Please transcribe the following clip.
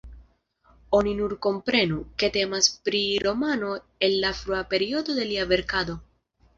Oni nur komprenu, ke temas pri romano el la frua periodo de lia verkado.